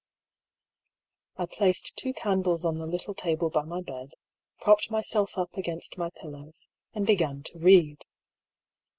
I placed two candles on the little table by my bed, propped myself up against my pillows, and began to read.